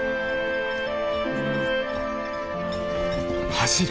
走る。